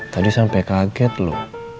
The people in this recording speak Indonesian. tadi sampai kaget lu